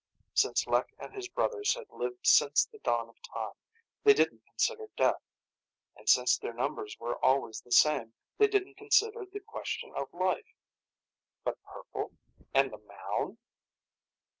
Since Lek and his brothers had lived since the dawn of time, they didn't consider death. And since their numbers were always the same, they didn't consider the question of life. But purple? And the mound?